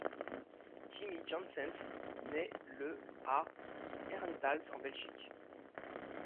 Jimmy Janssens naît le à Herentals en Belgique.